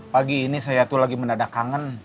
pagi ini saya tuh lagi menadak kangen